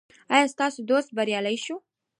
ایا ستاسو دوست به بریالی شي؟